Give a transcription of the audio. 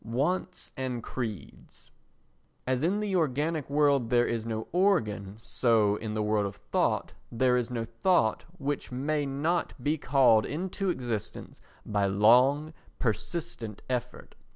Wants and Creeds As in the organic world there is no organ, so in the world of thought there is no thought, which may not be called into existence by long persistent effort.